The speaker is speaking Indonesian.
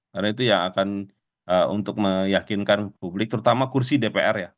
karena itu yang akan untuk meyakinkan publik terutama kursi dpr ya